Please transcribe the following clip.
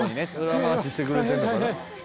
裏回ししてくれてるのかな